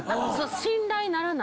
「信頼ならない」